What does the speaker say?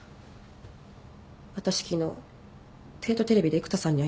私昨日帝都テレビで育田さんに会いました。